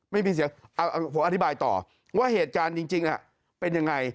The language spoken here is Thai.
ไม่มีเสียงผมอธิบายต่อว่าเหตุการณ์จริงเป็นยังไง